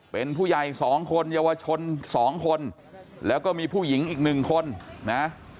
เป็นผู้ใหญ่๒คนเยาวชน๒คนแล้วก็มีผู้หญิงอีกหนึ่งคนนะ